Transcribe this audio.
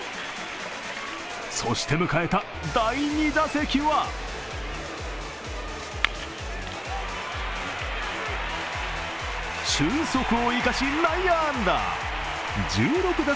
そして迎えた第２打席は俊足を生かし、内野安打。